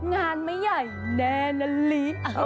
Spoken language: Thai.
งานไม่ใหญ่แน่นะลิ